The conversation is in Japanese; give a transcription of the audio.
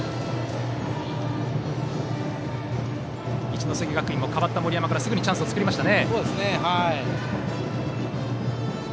一関学院も代わった森山からすぐにチャンスを作りました。